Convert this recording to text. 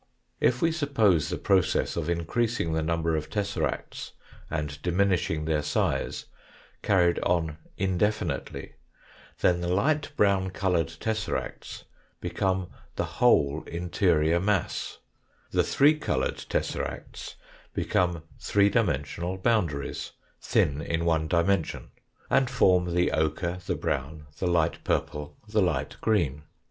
If we suppose the process of increasing the number of tesseracts and diminishing their size carried on indefinitely, then the light brown coloured tesseracts become the whole interior mass, the three coloured tesseracts become three dimensional boundaries, thin in one dimension, and form the ochre, the brown, the light purple, the light green.